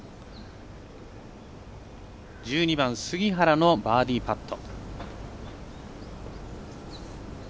１２番、杉原のバーディーパット。